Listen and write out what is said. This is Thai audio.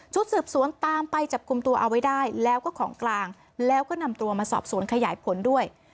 สืบสวนตามไปจับกลุ่มตัวเอาไว้ได้แล้วก็ของกลางแล้วก็นำตัวมาสอบสวนขยายผลด้วย